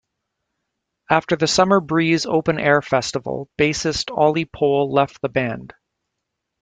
After the Summer Breeze Open Air festival, bassist Olli Pohl left the band.